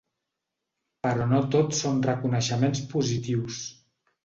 Però no tot són reconeixements positius.